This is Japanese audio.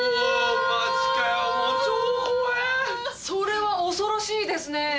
それは恐ろしいですね！